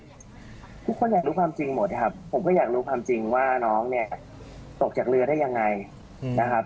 ทุกคนอยากรู้ความจริงหมดนะครับผมก็อยากรู้ความจริงว่าน้องเนี่ยตกจากเรือได้ยังไงนะครับ